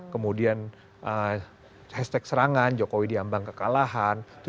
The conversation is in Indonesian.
kemudian hashtag serangan jokowi diambang kekalahan